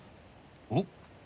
おっ。